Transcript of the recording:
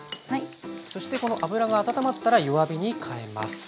そしてこの油が温まったら弱火に変えます。